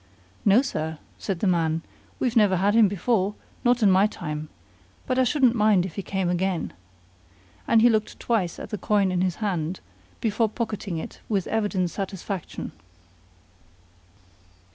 "No, sir," said the man, "we've never had him before, not in my time; but I shouldn't mind if he came again." And he looked twice at the coin in his hand before pocketing it with evident satisfaction.